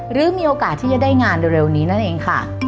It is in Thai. หรือมีโอกาสที่จะได้งานเร็วนี้นั่นเองค่ะ